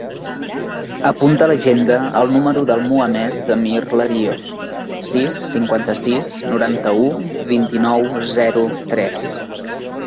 Apunta a l'agenda el número del Mohamed amir Larios: sis, cinquanta-sis, noranta-u, vint-i-nou, zero, tres.